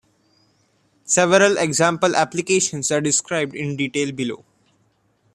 Several example applications are described in detail below.